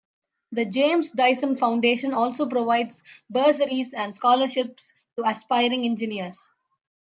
The James Dyson Foundation also provides bursaries and scholarships to aspiring engineers.